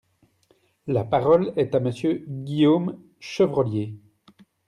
La parole est à Monsieur Guillaume Chevrollier.